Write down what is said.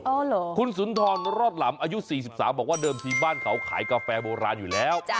คุณสุนทรรอดหลำอายุ๔๓บอกว่าเดิมทีบ้านเขาขายกาแฟโบราณอยู่แล้ว